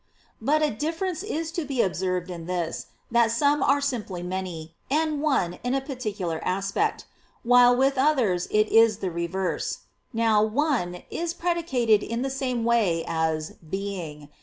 But a difference is to be observed in this, that some are simply many, and one in a particular aspect: while with others it is the reverse. Now "one" is predicated in the same way as "being."